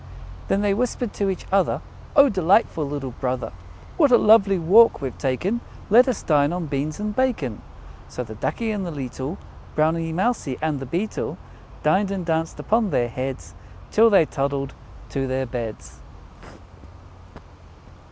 "Then they whispered to each other, 'O delightful little brother, What a lovely walk we've taken! Let us dine on Beans and Bacon!' So the Ducky and the leetle Browny Mousy, and the Beetle Dined, and danced upon their heads, Till they toddled to their beds."